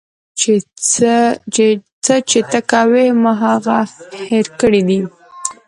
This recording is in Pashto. څه چې ته کوې ما هغه هير کړي دي.